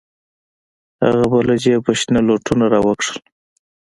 هغه به له جيبه شنه لوټونه راوکښل.